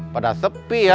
pada sepi ya